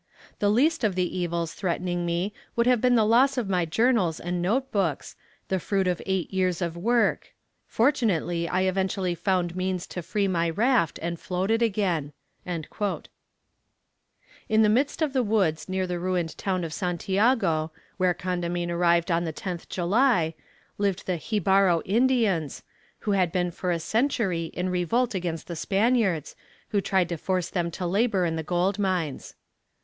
The least of the evils threatening me would have been the loss of my journals and note books, the fruit of eight years of work. Fortunately, I eventually found means to free my raft, and float it again." [Illustration: Celebrated narrows of Manseriche. (Fac simile of early engraving.)] In the midst of the woods near the ruined town of Santiago, where Condamine arrived on the 10th July, lived the Xibaro Indians, who had been for a century in revolt against the Spaniards, who tried to force them to labour in the gold mines.